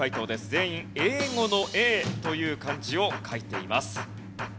全員英語の「英」という漢字を書いています。